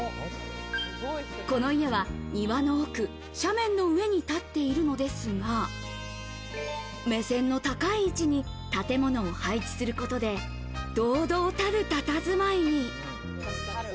この家は庭の奥、斜面の上に建っているのですが、目線の高い位置に建物を配置することで、堂々たる佇まいに。